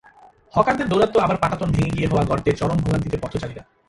হকারদের দৌরাত্ম্য আবার পাটাতন ভেঙে গিয়ে হওয়া গর্তে চরম ভোগান্তিতে পথচারীরা।